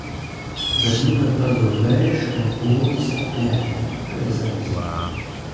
Bet nu tad pazūd vējš un pūķis pļek – pie zemes.